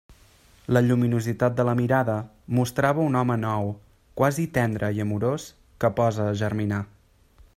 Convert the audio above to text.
La lluminositat de la mirada mostrava un home nou, quasi tendre i amorós, que posa a germinar.